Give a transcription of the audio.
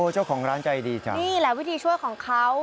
เจ้าของร้านใจดีจังนี่แหละวิธีช่วยของเขา